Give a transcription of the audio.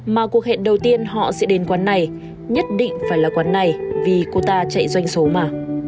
mà cuộc hẹn đầu tiên họ sẽ đến quán này nhất định phải là quán này vì cô ta chạy doanh số mà